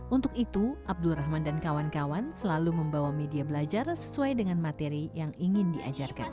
untuk itu abdul rahman dan kawan kawan selalu membawa media belajar sesuai dengan materi yang ingin diajarkan